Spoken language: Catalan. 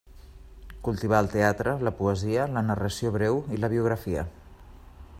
Cultivà el teatre, la poesia, la narració breu i la biografia.